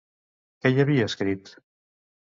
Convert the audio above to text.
Què hi havia escrit?